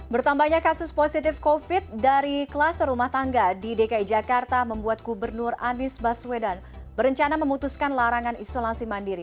bertambahnya kasus positif covid dari kluster rumah tangga di dki jakarta membuat gubernur anies baswedan berencana memutuskan larangan isolasi mandiri